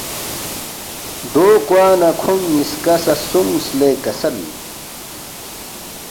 دو کوا نہ کھونگ نِ٘یسکا سہ سونگس لے کسل